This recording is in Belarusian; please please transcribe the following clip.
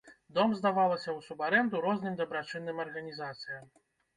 Дом здавалася ў субарэнду розным дабрачынным арганізацыям.